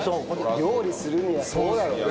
料理するにはそうだろうね。